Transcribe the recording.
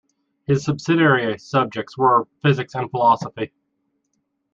His subsidiary subjects were physics and philosophy.